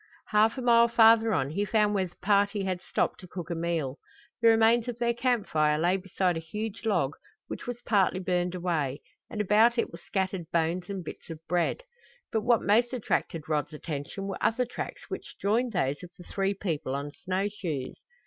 Half a mile farther on he found where the party had stopped to cook a meal. The remains of their camp fire lay beside a huge log, which was partly burned away, and about it were scattered bones and bits of bread. But what most attracted Rod's attention were other tracks which joined those of the three people on snow shoes.